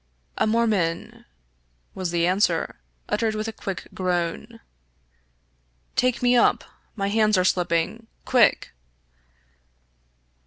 "A Mormon," was the answer, uttered with a groan. '* Take me up. My hands are slipping. Quick